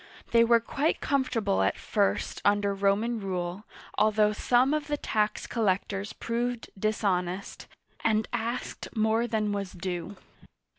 They were quite comfortable at first under Roman rule, although some of the tax collectors proved dishonest, and asked more than was due.